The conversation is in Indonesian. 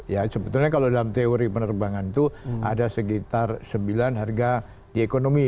ya sebetulnya kalau dalam teori penerbangan itu ada sekitar sembilan harga di ekonomi